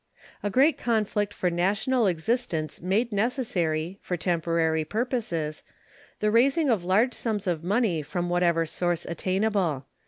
A great conflict for national existence made necessary, for temporary purposes, the raising of large sums of money from whatever source attainable.